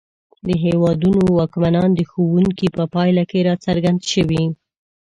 د هېوادونو واکمنان د ښوونکي په پایله کې راڅرګند شوي.